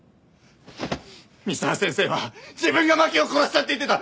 三沢先生は自分が真希を殺したって言ってた。